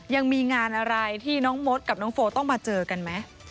ยังมีงานอะไรที่น้องมดกับน้องโฟต้องมาเจอกันไหม